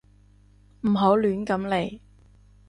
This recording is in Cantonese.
唔好亂咁嚟